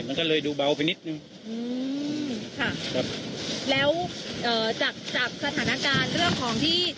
มันก็เลยดูเบาไปนิดนึงอืมค่ะครับแล้วเอ่อจากจากสถานการณ์เรื่องของที่